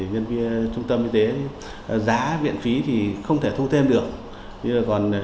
nhân viên trung tâm y tế giá viện phí thì không thể thu thêm được